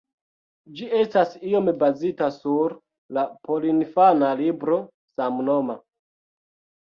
Ĝi estas iome bazita sur la porinfana libro samnoma.